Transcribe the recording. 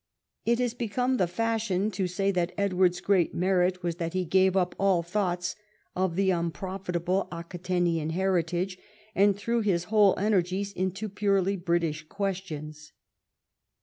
It has become the fashion to say that Edward's great merit was that he gave up all thoughts of the unprofitable Aqui tanian heritage, and threw his whole energies into purely British questions.